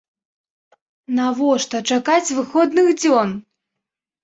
Навошта чакаць выходных дзён?